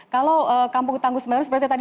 kalau kampung tangguh semeru seperti tadi